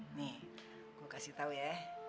ini gue kasih tau ya